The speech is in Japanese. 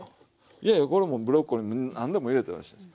いやいやこれもうブロッコリー何でも入れたらよろしいです。